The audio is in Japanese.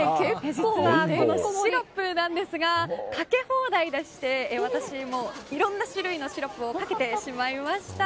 実はこのシロップなんですがかけ放題でして私もいろんな種類のシロップをかけてしまいました。